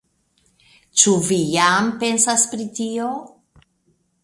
Ĉu vi jam pensas pri tio?